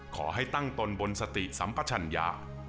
ขอให้ตั้งตนบนสติสัมปชัญญา